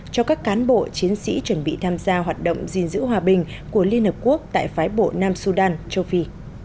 cho các cán bộ chiến sĩ chuẩn bị tham gia hoạt động gìn giữ hòa bình của liên hợp quốc tại phái bộ nam sudan châu phi